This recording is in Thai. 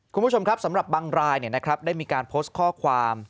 คุณผู้ชมครับสำหรับบางรายได้มีการโพสต์ข้อความ